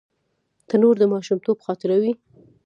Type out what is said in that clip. تنور د ماشومتوب خاطره وي